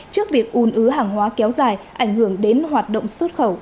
trước việc ùn ứa hàng hóa kéo dài ảnh hưởng đến hoạt động xuất khẩu